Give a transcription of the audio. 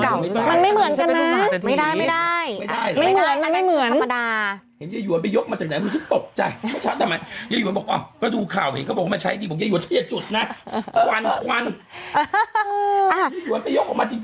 เขาบอกว่าตอนนี้ยอดขายคือพุ่งมากผลิตแทบไม่ทำ